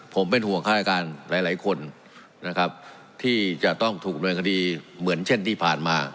ผมเป็นห่วงฆาตการหลายหลายคนนะครับที่จะต้องถูกดำเนินคดีเหมือนเช่นที่ผ่านมา